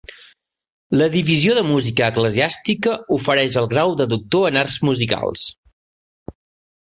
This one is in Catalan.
La Divisió de Música Eclesiàstica ofereix el grau de Doctor en Arts Musicals.